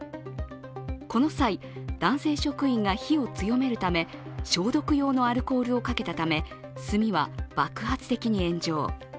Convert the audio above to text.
この際、男性職員が火を強めるため消毒用のアルコールをかけたため炭は爆発的に炎上。